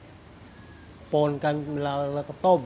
กล่าวค้านถึงกุ้ยเตี๋ยวลุกชิ้นหมูฝีมือลุงส่งมาจนถึงทุกวันนี้นั่นเองค่ะ